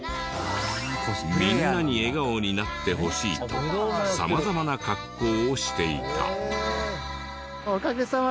みんなに笑顔になってほしいと様々な格好をしていた。